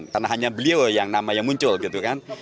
karena hanya beliau yang namanya muncul gitu kan